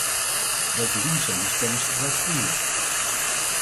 Bovendien zijn die scanners gebruiksvriendelijk.